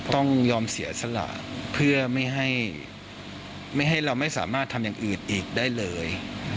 ต้องยอมเสียสละเพื่อไม่ให้เราไม่สามารถทำอย่างอื่นอีกได้เลย